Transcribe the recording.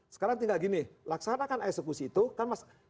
sekarang tinggal gini laksanakan eksekusi itu kan mas